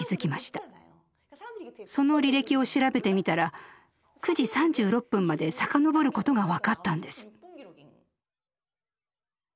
その履歴を調べてみたら９時３６分まで遡ることが分かったんです。